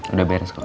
udah beres kalo